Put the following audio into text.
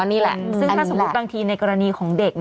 ซึ่งถ้าสมมุติบางทีในกรณีของเด็ก